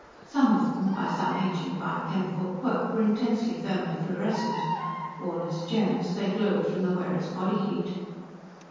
Some of them, by some ancient biochemical quirk, were intensely thermofluorescent; worn as gems, they glowed from the wearer's body heat.